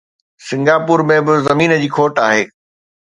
Singapore ۾ به زمين جي کوٽ آهي.